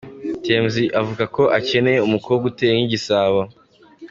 Tmc avuga ko akeneye umukobwa uteye nk’igisabo.